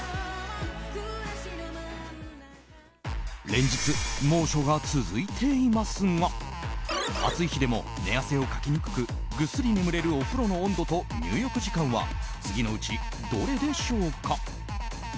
連日、猛暑が続いていますが暑い日でも寝汗をかきにくくぐっすり眠れるお風呂の温度と入浴時間は次のうちどれでしょうか？